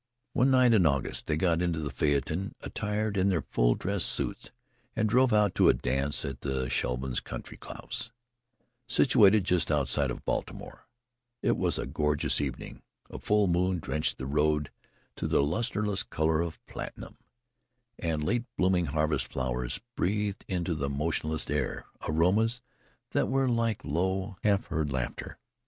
One night in August they got into the phaeton attired in their full dress suits and drove out to a dance at the Shevlins' country house, situated just outside of Baltimore. It was a gorgeous evening. A full moon drenched the road to the lustreless colour of platinum, and late blooming harvest flowers breathed into the motionless air aromas that were like low, half heard laughter.